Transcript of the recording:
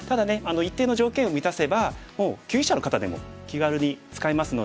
一定の条件を満たせば級位者の方でも気軽に使えますので。